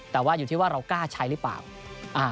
แต่ว่าอยู่ที่ว่าเรากล้าใช้หรือเปล่า